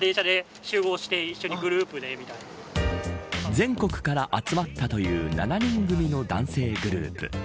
全国から集まったという７人組の男性グループ。